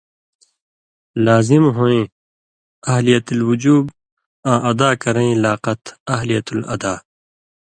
لازِم ہُویں (اہلیت الوُجوب) آں ادا کرَیں لاقَت (اہلیت الاداء)۔